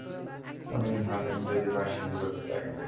আমি ভালো ইংরেজি বা হিন্দি বলতে পারি না।